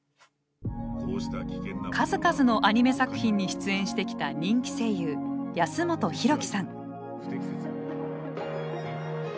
数々のアニメ作品に出演してきた人気声優安元洋貴さん。